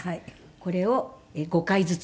これを５回ずつ。